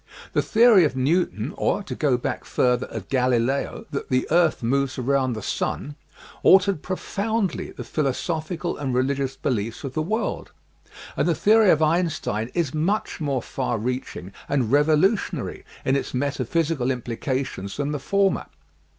The theory of Newton or, to go back further, of Galileo, that the earth moves around the sun, altered profoundly the philosophical and religious beliefs of the world, and the theory of Einstein is much more far reaching and revolutionary in its metaphysical im plications than the former.